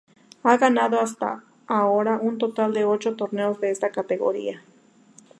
Ha ganado hasta ahora un total de ocho torneos de esta categoría.